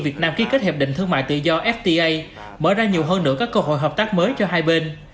việt nam ký kết hiệp định thương mại tự do fta mở ra nhiều hơn nữa các cơ hội hợp tác mới cho hai bên